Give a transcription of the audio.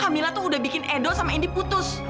hamila tuh udah bikin edo sama indi putus